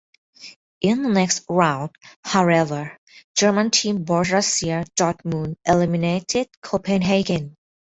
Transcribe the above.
In the next round, however, German team Borussia Dortmund eliminated Copenhagen.